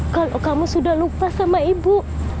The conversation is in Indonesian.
kalau kamu sudah lupa sama ibu